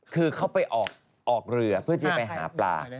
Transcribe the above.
คือเขาไปออกเรือเพื่อที่จะไปหาปลา